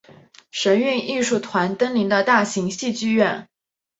神韵艺术团登临的大型戏剧院。